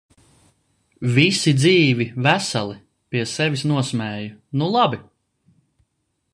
Visi dzīvi, veseli! Pie sevis nosmēju: "Nu labi!".